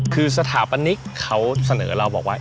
คือสถาปนิกเขาเสนอเราบอกว่า